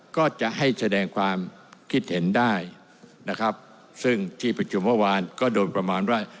ก็จะให้แสดงความคิดเห็นได้นะครับซึ่งที่ประชุมเมื่อวานก็โดนประมาณว่า